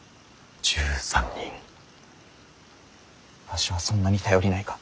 わしはそんなに頼りないか。